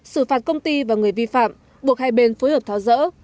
xử phạt công ty và người vi phạm buộc hai bên phối hợp tháo rỡ